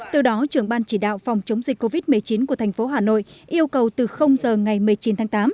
từ đó trưởng ban chỉ đạo phòng chống dịch covid một mươi chín của thành phố hà nội yêu cầu từ giờ ngày một mươi chín tháng tám